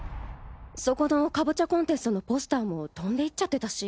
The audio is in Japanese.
そこのカボチャコンテストのポスターも飛んで行っちゃってたし。